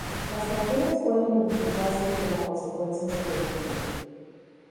Las bacterias pueden multiplicarse y como consecuencia sobrevivir.